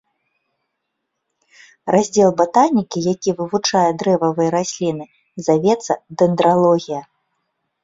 Раздзел батанікі, які вывучае дрэвавыя расліны, завецца дэндралогія.